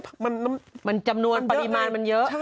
มันมีปราบายิมาลมันเยอะ